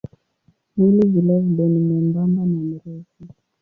Mwili vilevile ni mwembamba na mrefu.